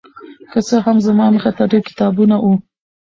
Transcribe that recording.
که څه هم زما مخې ته ډېر کتابونه وو